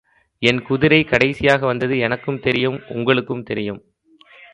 என் குதிரை கடைசியாக வந்தது எனக்கும்தெரியும் உங்களுக்கும் தெரியும்.